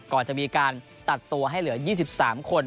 ก่อนจะมีการตัดตัวให้เหลือ๒๓คน